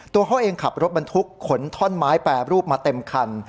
ตัวเขาเองขับรถบรรทุกขนท่อนไม้แปรรูปมาเต็มคัน